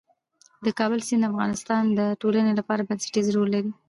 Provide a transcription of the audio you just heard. د کابل سیند د افغانستان د ټولنې لپاره بنسټيز رول لري.